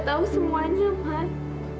teteh sudah tahu semuanya may